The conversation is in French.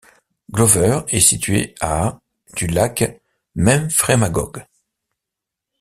Glover est situé à du lac Memphrémagog.